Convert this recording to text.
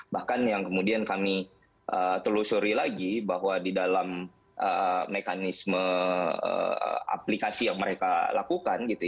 bahkan yang kemudian kami telusuri lagi bahwa di dalam mekanisme aplikasi yang mereka lakukan